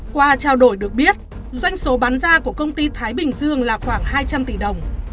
qua trao đổi được biết doanh số bán ra của công ty thái bình dương là khoảng hai trăm linh tỷ đồng